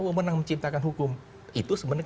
wewenang menciptakan hukum itu sebenarnya